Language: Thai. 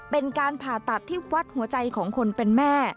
เป็นการผ่าตัดที่วัดหัวใจของคนเป็นแม่